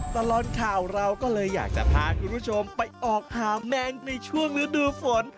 ตลอดข่าวเราก็เลยอยากจะพาคุณผู้ชมไปออกหาแมงในช่วงฤดูฝน